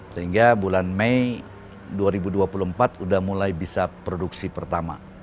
sehingga bulan mei dua ribu dua puluh empat sudah mulai bisa produksi pertama